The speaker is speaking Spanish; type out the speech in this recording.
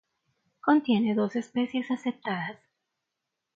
Contiene dos especies aceptadas.